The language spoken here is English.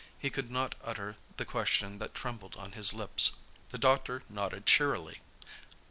He could not utter the question that trembled on his lips. The doctor nodded cheerily.